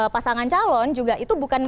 pasangan calon juga itu bukan